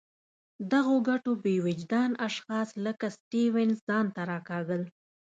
دغو ګټو بې وجدان اشخاص لکه سټیونز ځان ته راکاږل.